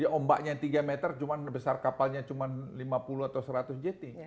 ombaknya tiga meter cuma besar kapalnya cuma lima puluh atau seratus jetty